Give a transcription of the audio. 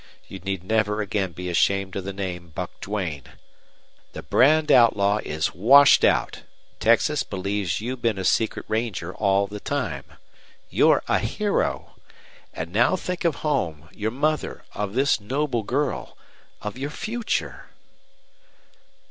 You need never again be ashamed of the name Buck Duane. The brand outlaw is washed out. Texas believes you've been a secret ranger all the time. You're a hero. And now think of home, your mother, of this noble girl of your future."